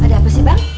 ada apa sih bang